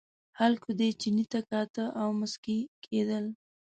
خلکو دې چیني ته کاته او مسکي کېدل.